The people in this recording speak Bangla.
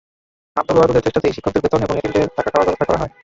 আবদুল ওয়াদুদের চেষ্টাতেই শিক্ষকদের বেতন এবং এতিমদের থাকা-খাওয়ার ব্যবস্থা করা হয়।